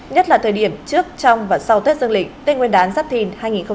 nhất là thời điểm trước trong và sau tết dương lịch tết nguyên đán giáp thìn hai nghìn hai mươi bốn